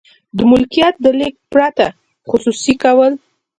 د ملکیت د لیږد پرته خصوصي کول.